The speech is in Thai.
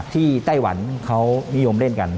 ไต้หวันเขานิยมเล่นกัน